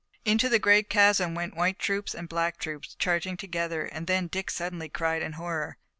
Into the great chasm went white troops and black troops, charging together, and then Dick suddenly cried in horror.